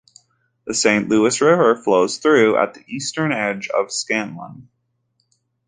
The Saint Louis River flows through at the eastern edge of Scanlon.